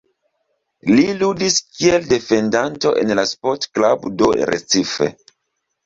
Li ludis kiel defendanto en la Sport Club do Recife.